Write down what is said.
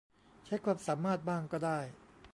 ใช้ความสามารถบ้างก็ได้